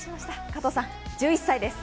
加藤さん、１１歳です。